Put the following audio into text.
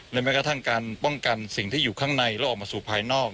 แม้กระทั่งการป้องกันสิ่งที่อยู่ข้างในแล้วออกมาสู่ภายนอก